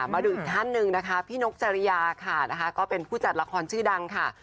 มาดูอีกท่านหนึ่งนะคะพี่นกจริยาค่ะนะคะก็เป็นผู้จัดละครชื่อดังค่ะ